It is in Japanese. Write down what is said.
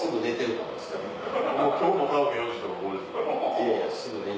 いやいやすぐ寝る。